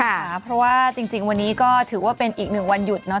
เพราะว่าจริงวันนี้ก็ถือว่าเป็นอีกหนึ่งวันหยุดเนอ